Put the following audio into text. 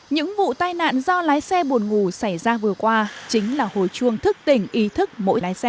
những vụ tai nạn do lái xe buồn ngủ xảy ra vừa qua chính là hồi chuông thức tỉnh ý thức mỗi lái xe